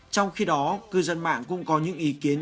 trong khi đó cư dân mạng cũng có những ý kiến